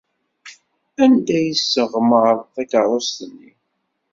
Anda ay yesseɣmer takeṛṛust-nni?